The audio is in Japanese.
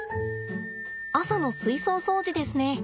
朝の水槽掃除ですね。